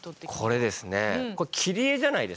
これですねこれ切り絵じゃないですか。